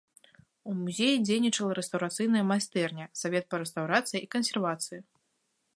У музеі дзейнічала рэстаўрацыйная майстэрня, савет па рэстаўрацыі і кансервацыі.